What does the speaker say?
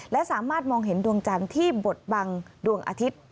และสามารถมองเห็นดวงจันทร์ที่บทบังดวงอาทิตย์